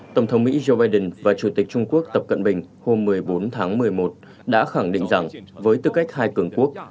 tổng thống mỹ joe biden và chủ tịch trung quốc tập cận bình hôm một mươi bốn tháng một mươi một đã khẳng định rằng với tư cách hai cường quốc